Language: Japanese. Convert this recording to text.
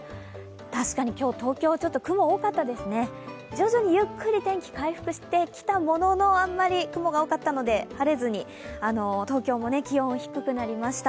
確かに今日、東京は雲多かったですね、徐々にゆっくり天気回復してきたもののあまり、雲が多かったので、晴れずに、東京も気温が低くなりました。